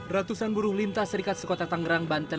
ratusan buruh lintas serikat sekota tangerang banten